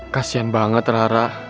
kasian banget rara